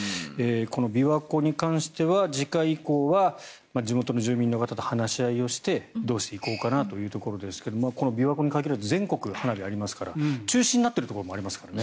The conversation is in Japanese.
琵琶湖に関しては、次回以降は地元の住民の方と話し合いをしてどうしていこうかなというところですがこの琵琶湖に限らず全国、花火はありますから中止になってるところもありますからね